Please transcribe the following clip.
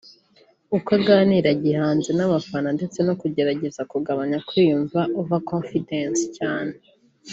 uko aganira gihanzi n’abafana ndetse no kugerageza kugabanya kwiyumva(over confidence) cyane